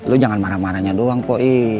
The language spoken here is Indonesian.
lo jangan marah marahnya doang poi